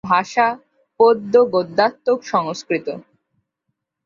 ভাষা পদ্য-গদ্যাত্মক সংস্কৃত।